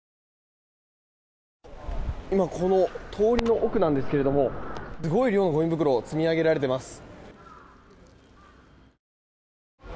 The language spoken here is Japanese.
今この通りの奥なんですがすごい量のゴミ袋積み上げられています。